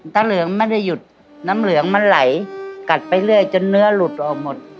เหลืองไม่ได้หยุดน้ำเหลืองมันไหลกัดไปเรื่อยจนเนื้อหลุดออกหมด